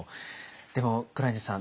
でも黒柳さん